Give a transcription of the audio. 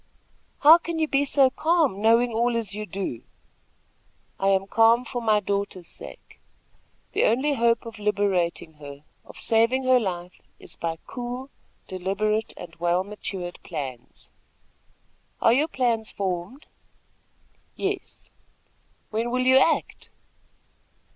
"How can you be so calm, knowing all as you do?" "I am calm for my daughter's sake. The only hope of liberating her, of saving her life, is by cool, deliberate and well matured plans." "Are your plans formed?" "Yes." "When will you act?"